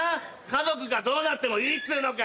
家族がどうなってもいいっつうのか？